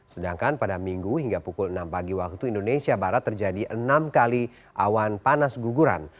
sedangkan pada minggu hingga pukul enam pagi waktu indonesia barat terjadi enam kali awan panas guguran